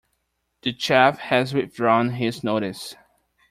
The chef has withdrawn his notice.